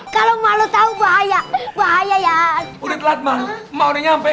kalau malu tahu bahaya bahaya ya udah telat mau udah nyampe